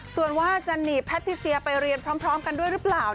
ส่วนว่าจะหนีแพทิเซียไปเรียนพร้อมกันด้วยหรือเปล่า